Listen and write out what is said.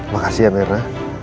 makasih ya miranda